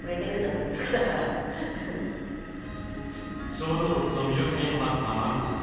小動物の魅力にはまった麻美さん。